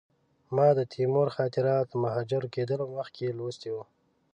ما د تیمور خاطرات له مهاجر کېدلو مخکې لوستي وو.